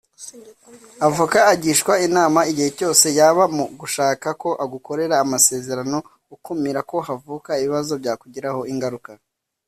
Avoka agishwa inama igihe cyose yaba mu gushaka ko agukorera amasezerano ukumira ko havuka ibibazo byakugiraho ingaruka